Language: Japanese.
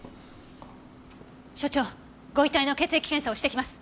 所長ご遺体の血液検査をしてきます。